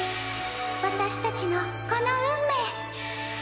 私たちのこの運命。